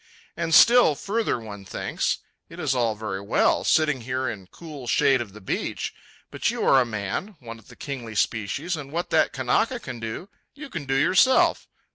And still further one thinks. It is all very well, sitting here in cool shade of the beach, but you are a man, one of the kingly species, and what that Kanaka can do, you can do yourself.